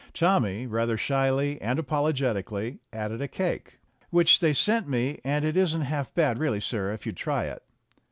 Tommy, rather shyly and apologetically, added a cake, "Which they sent me, and it isn't half bad really, sir, if you'd try it."